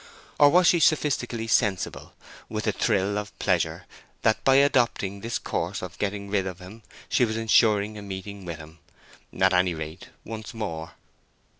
Or was she sophistically sensible, with a thrill of pleasure, that by adopting this course for getting rid of him she was ensuring a meeting with him, at any rate, once more?